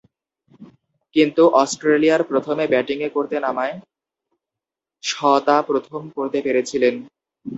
কিন্তু অস্ট্রেলিয়ার প্রথমে ব্যাটিংয়ে করতে নামায় শ তা প্রথম করতে পেরেছিলেন।